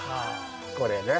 これね。